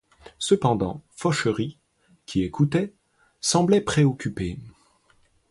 Cependant, Fauchery, qui écoutait, semblait préoccupé.